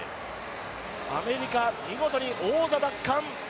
アメリカ、見事に王座奪還。